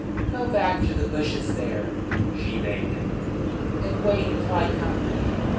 "Go back to the bushes there," she bade him, "and wait until I come for you.